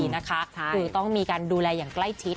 คือต้องมีการดูแลอย่างใกล้ชิด